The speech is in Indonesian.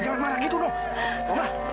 jangan marah gitu romlah